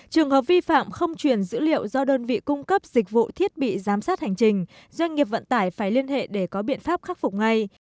trường hợp vi phạm không truyền dữ liệu do đơn vị cung cấp dịch vụ thiết bị giám sát hành trình doanh nghiệp vận tải phải liên hệ để có biện pháp khắc phục ngay